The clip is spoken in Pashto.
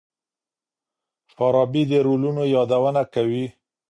فارابي د رولونو يادونه کوي.